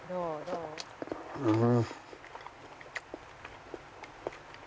うん。